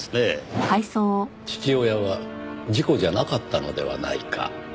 「父親は事故じゃなかったのではないか」